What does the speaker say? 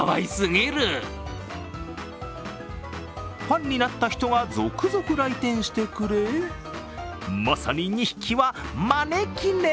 ファンになった人が続々来店してくれ、まさに２匹は、招き猫。